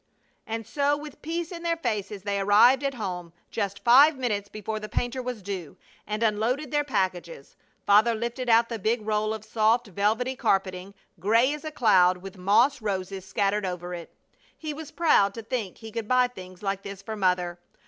And so with peace in their faces they arrived at home, just five minutes before the painter was due, and unloaded their packages. Father lifted out the big roll of soft, velvety carpeting, gray as a cloud, with moss roses scattered over it. He was proud to think he could buy things like this for Mother.